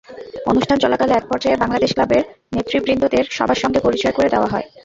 অনুষ্ঠান চলাকালে একপর্যায়ে বাংলাদেশ ক্লাবের নেতৃবৃন্দদের সবার সঙ্গে পরিচয় করে দেওয়া হয়।